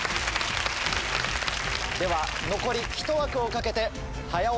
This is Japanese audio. では残りひと枠を懸けて。